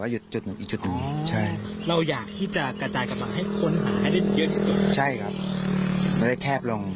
อยู่เป้าหมายด้วยเห็นรัง